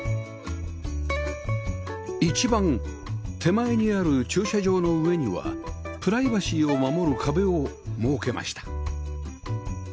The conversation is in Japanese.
一番手前にある駐車場の上にはプライバシーを守る壁を設けました